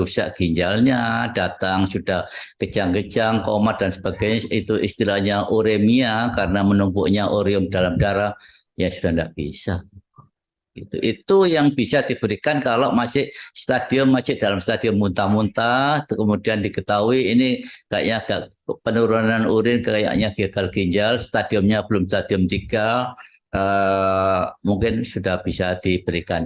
stadiumnya belum stadium tiga mungkin sudah bisa diberikan